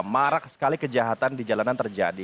marak sekali kejahatan di jalanan terjadi